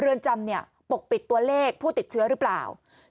เรือนจำเนี่ยปกปิดตัวเลขผู้ติดเชื้อหรือเปล่า